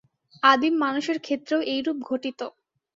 আদিম মানুষের ক্ষেত্রেও এইরূপ ঘটিত।